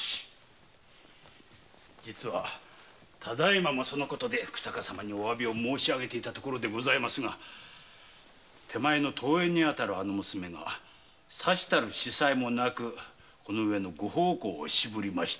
実はただいまもそのことで日下様にお詫びを申しあげていたところですが手前の遠縁に当たるあの娘がさしたる理由もなくこのうえのご奉公をしぶりまして。